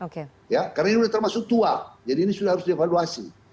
karena ini sudah termasuk tua jadi ini sudah harus diavaluasi